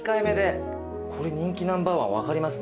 これ人気ナンバーワン分かりますね。